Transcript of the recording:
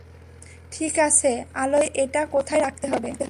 ঠিক আছে, আলো জ্বালাতে এটা কোথায় রাখতে হবে?